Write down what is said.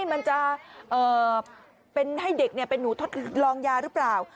มันจะเป็นให้เด็กเป็นหนูทดลองยาหรือเปล่า